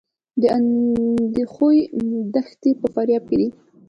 د اندخوی دښتې په فاریاب کې دي